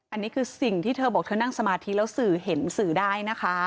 อันนี้คือสิ่งที่เธอบอกเธอนั่งสมาธิแล้วสื่อเห็นสื่อได้นะคะ